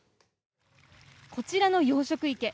こちらの養殖池。